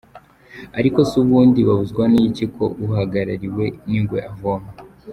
Ariko se ubundi babuzwa n’iki ko uhagarariwe n’ingwe avoma ?”.